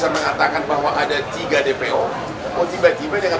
seperti yang tadi rh yang ada tadi kita cepat kata non